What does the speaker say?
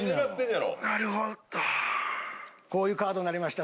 こういうカードになりました。